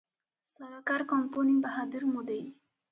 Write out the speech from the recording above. ସରକାର କମ୍ପୁନୀ ବାହାଦୂର ମୁଦେଇ ।